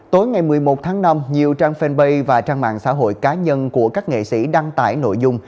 tối ngày một mươi một tháng năm nhiều trang fanpage và trang mạng xã hội cá nhân của các nghệ sĩ đăng tải nội dung